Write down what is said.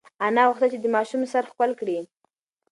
انا غوښتل چې د ماشوم سر ښکل کړي.